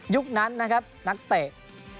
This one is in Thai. นั้นนะครับนักเตะ